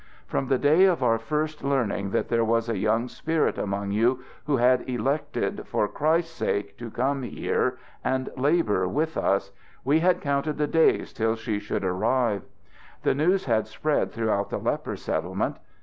"From the day of our first learning that there was a young spirit among you who had elected, for Christ's sake, to come here and labor with us, we had counted the days till she should arrive. The news had spread throughout the leper settlement.